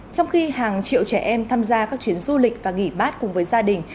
trong khi hàng triệu trẻ em tham gia các chuyến du lịch và nghỉ bát cùng với gia đình